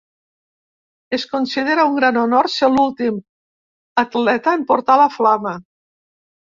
Es considera un gran honor ser l’últim atleta en portar la flama.